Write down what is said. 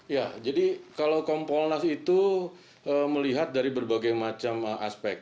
ya jadi kalau kompolnas itu melihat dari berbagai macam aspek